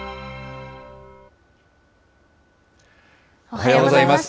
おはようございます。